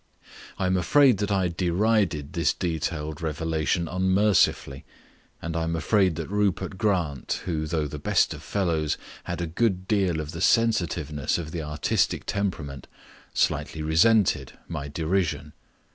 I am afraid that I derided this detailed revelation unmercifully; and I am afraid that Rupert Grant, who, though the best of fellows, had a good deal of the sensitiveness of the artistic temperament, slightly resented my derision.